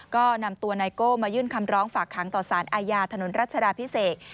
ก็นำตัวไนโก้มายื่นคำร้องฝากขังต่อสารอาญาถนนรัชดาพิเศษ